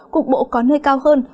cục bộ có nơi cao hơn